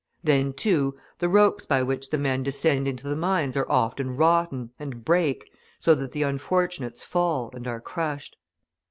Then, too, the ropes by which the men descend into the mines are often rotten, and break, so that the unfortunates fall, and are crushed.